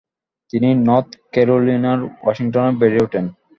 তিনি নর্থ ক্যারোলিনার ওয়াশিংটনে বেড়ে ওঠেন।